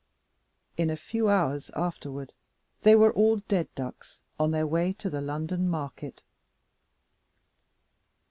In a few hours afterward they were all dead ducks on their way to the London market.